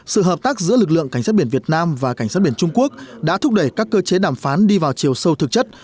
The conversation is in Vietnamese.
sự hợp tác giữa lực lượng cảnh sát biển việt nam và cảnh sát biển trung quốc đã thúc đẩy các cơ chế đàm phán đi vào chiều sâu thực chất